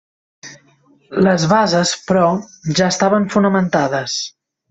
Les bases, però, ja estaven fonamentades.